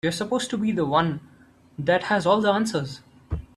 You're supposed to be the one that has all the answers.